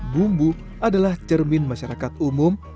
bumbu adalah cermin masyarakat umum